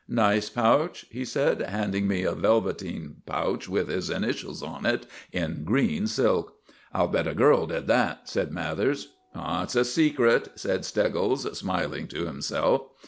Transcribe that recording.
"Nice pouch?" he said, handing me a velveteen pouch with his initials on it in green silk. "I'll bet a girl did that," said Mathers. "It's a secret," said Steggles, smiling to himself.